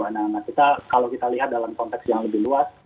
nah kita kalau kita lihat dalam konteks yang lebih luas